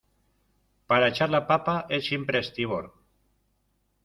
para echar la papa es siempre a estribor